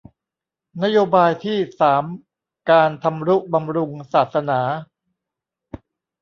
นโยบายที่สามการทำนุบำรุงศาสนา